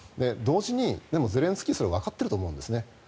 同時に、でもゼレンスキーはそれをわかっていると思うんですね。